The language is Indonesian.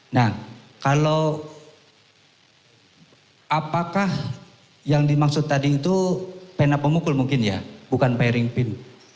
nah kalau apakah yang dimaksud tadi itu pena pemukul mungkin ya bukan piring pin